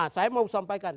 saya mau sampaikan